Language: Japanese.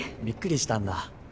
びっくりしたんだ。